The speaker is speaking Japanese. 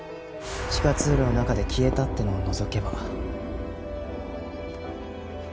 地下通路の中で消えたっていうのを除けば。